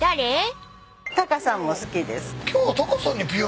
タカさんも好きです。